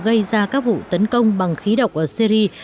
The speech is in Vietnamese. gây ra các vụ tấn công bằng khí độc ở syri